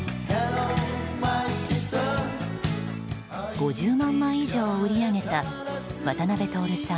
５０万枚以上を売り上げた渡辺徹さん